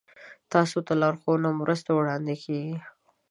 تاسو ته لارښوونې او مرستې وړاندې کیږي.